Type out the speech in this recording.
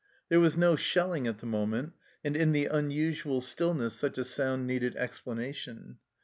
There was no shelling at the moment, and in the unusual stillness such a sound needed explanation.